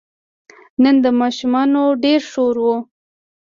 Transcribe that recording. نن د ماشومانو ډېر شور و.